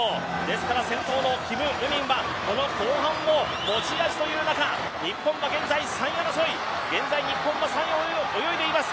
先頭のキム・ウミンは後半、持ち味という中、日本は現在３位争い、３位を泳いでいます。